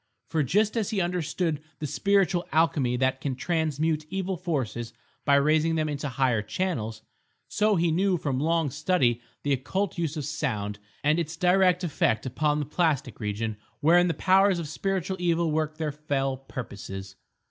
For just as he understood the spiritual alchemy that can transmute evil forces by raising them into higher channels, so he knew from long study the occult use of sound, and its direct effect upon the plastic region wherein the powers of spiritual evil work their fell purposes.